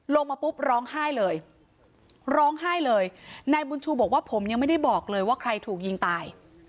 ลงมาปุ๊บร้องไห้เลยร้องไห้เลยนายบุญชูบอกว่าผมยังไม่ได้บอกเลยว่าใครถูกยิงตาย